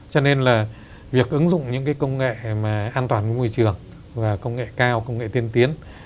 cho nên là việc ứng dụng những cái công nghệ mà an toàn với môi trường và công nghệ cao công nghệ tiên tiến